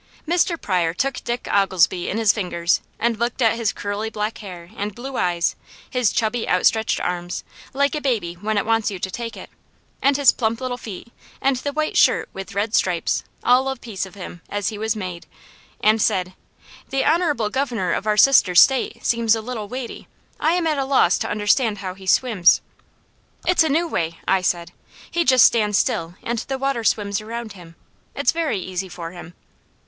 Mr. Pryor took Dick Oglesby in his fingers and looked at his curly black hair and blue eyes, his chubby outstretched arms, like a baby when it wants you to take it, and his plump little feet and the white shirt with red stripes all a piece of him as he was made, and said: "The honourable governor of our sister state seems a little weighty; I am at a loss to understand how he swims." "It's a new way," I said. "He just stands still and the water swims around him. It's very easy for him."